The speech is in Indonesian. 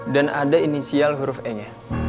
ada inisial huruf e nya